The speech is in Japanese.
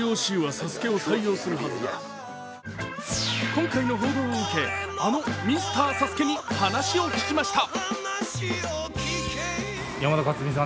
今回の報道を受け、あのミスターＳＡＳＵＫＥに話を聞きました。